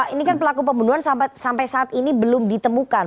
ini kan pelaku pembunuhan sampai saat ini belum ditemukan